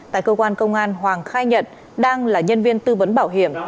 tại cơ quan công an hoàng khai nhận đang là nhân viên tư vấn bảo hiểm